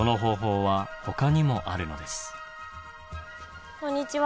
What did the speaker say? でもこんにちは。